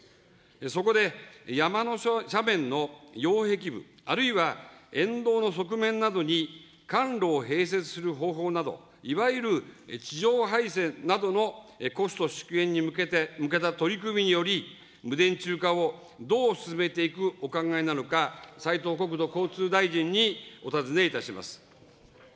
そこで、山の斜面の擁壁部、あるいは沿道の側面などに管路を併設する方法など、いわゆる地上配線などのコスト縮減に向けた取り組みにより、無電柱化をどう進めていくお考えなのか、斉藤国土交通大臣にお尋ねいたします。